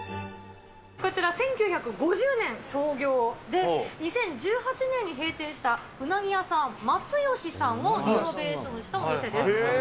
こちら、１９５０年創業で、２０１８年に閉店したうなぎ屋さん、松よしさんをリノベーションしたお店です。